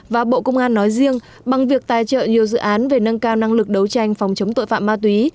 và bộ công an nói riêng bằng việc tài trợ nhiều dự án về nâng cao năng lực đấu tranh phòng chống tội phạm ma túy